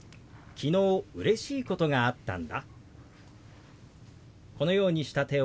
「昨日うれしいことがあったんだ」。